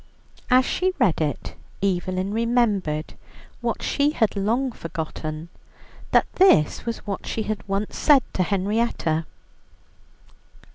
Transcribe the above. As she read it, Evelyn remembered, what she had long forgotten, that this was what she had once said to Henrietta.